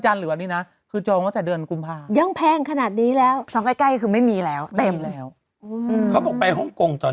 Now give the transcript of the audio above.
มันเป็นช่วงแทนศการพอดีแล้วทุกคนก็มีความต้องการ